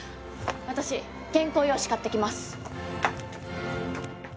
私原稿用紙買ってきます！